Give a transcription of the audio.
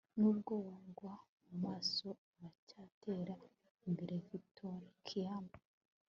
nubwo wagwa mu maso, uracyatera imbere. - victor kiam